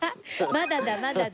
まだだまだだ。